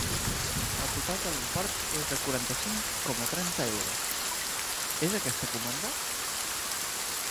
El total de l'import és de quaranta-cinc coma trenta euros, és aquesta comanda?